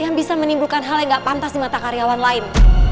yang bisa menimbulkan hal yang gak pantas di mata karyawan lain